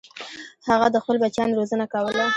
هغه د خپلو بچیانو روزنه کوله.